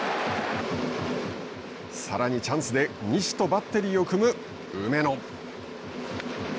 さらにチャンスで西とバッテリーを組む梅野。